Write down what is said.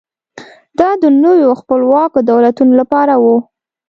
دا د نویو خپلواکو دولتونو لپاره و.